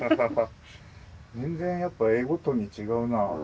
全然やっぱ絵ごとに違うな。